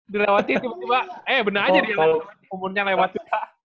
dilewati tiba tiba eh bener aja dia kan umurnya lewati